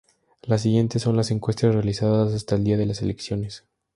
Las siguientes son las encuestas realizadas hasta el día de las elecciones.